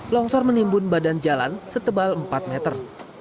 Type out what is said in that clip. longsor menimbun badan jalan setebal empat meter